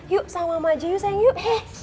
yuk sama mama aja yuk sayang yuk